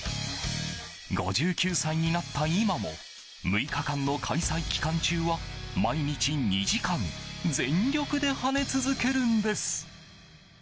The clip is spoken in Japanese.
５９歳になった今も６日間の開催期間中は毎日２時間全力で跳ね続けるんです。